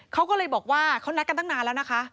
เขาก็เลยบอกว่าเขานัดกันตั้งนานแล้วนะคะ